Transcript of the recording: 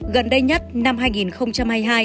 gần đây nhất năm hai nghìn hai mươi hai